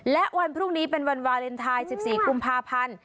และวันพรุ่งนี้เป็นวันวาเลนไทย๑๔กุมภาพันธ์